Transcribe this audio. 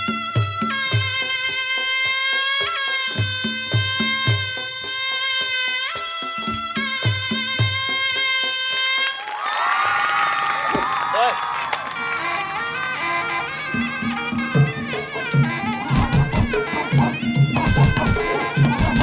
แล้วเชื่อว่าเกาะรับสนิทเป็นอะไรที่คุยกับหลวงคโทษอย่างเรื่อย